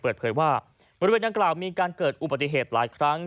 เปิดเผยว่าบริเวณดังกล่าวมีการเกิดอุบัติเหตุหลายครั้ง